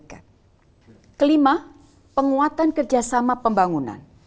kelima penguatan kerjasama pembangunan